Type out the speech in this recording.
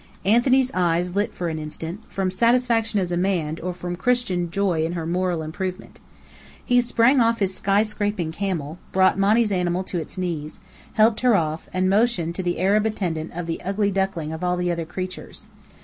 Anthony's eyes lit for an instant, from satisfaction as a man, or from Christian joy in her moral improvement. He sprang off his sky scraping camel, brought Monny's animal to its knees, helped her off, and motioned to the Arab attendant of the Ugly Duckling of all the other creatures.